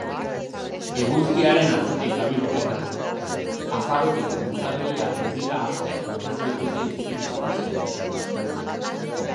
Eguzkiaren atzetik dabil oporretan, azarotik urtarrila erdira arte ez baitute izpirik ikusten.